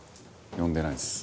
呼んでないです。